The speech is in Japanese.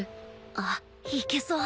あっいけそう